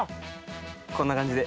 こんな感じで。